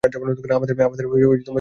আমাদের সন্তান ছিল।